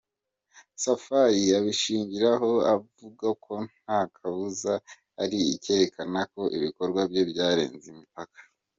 Safari abishingiraho akavuga ko nta kabuza ari icyerekana ko ibikorwa bye byarenze imipaka.